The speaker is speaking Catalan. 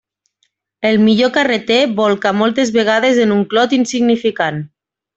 El millor carreter bolca moltes vegades en un clot insignificant.